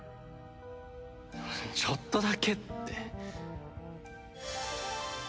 ちょっとだけって。